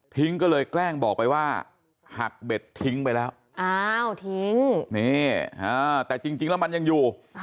ก็เลยแกล้งบอกไปว่าหักเบ็ดทิ้งไปแล้วอ้าวทิ้งนี่แต่จริงแล้วมันยังอยู่